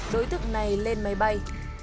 đối tượng này lên máy bay